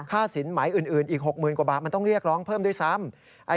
สินหมายอื่นอีก๖๐๐๐กว่าบาทมันต้องเรียกร้องเพิ่มด้วยซ้ำ